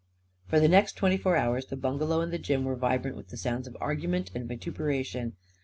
For the next twenty four hours the bungalow and the gym were vibrant with the sounds of argument and vituperation.